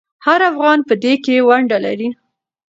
هر افغان په دې کې ونډه لري.